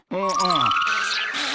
ああ。